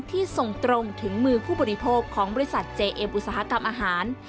ที่ส่งตรงถึงมือผู้บริโภคของบริษัทเจเอ็มอุตสาหกรรมอาหาร